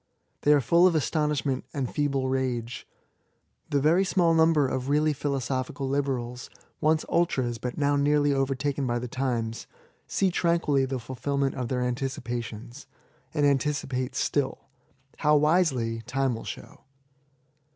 They are full of astonishment and feeble rage. The very small number of really philosophical liberals— once ultras^ but now nearly overtaken by the times — see tranquilly the fulfil ment of their anticipations^ and anticipate still — ^how wisely, time will show.